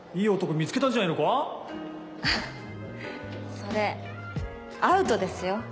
それアウトですよ。